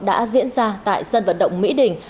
đã diễn ra tại dân vận động mỹ đình